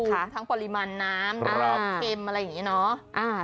ทั้งปริมาณน้ำน้ำเข็มอะไรอย่างนี้เนาะ